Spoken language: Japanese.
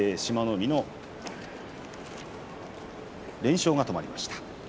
海の連勝が止まりました。